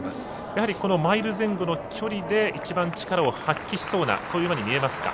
やはりマイル前後の距離で力を発揮しそうなそういう馬に見えますか？